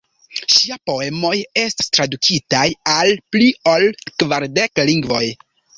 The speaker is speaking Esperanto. Ŝia poemoj estas tradukitaj al pli ol kvardek lingvoj.